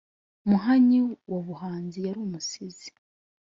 muhanyi wa buhanzi yari umusizi